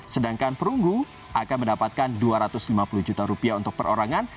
sedangkan perunggu akan mendapatkan dua ratus lima puluh juta rupiah untuk perorangan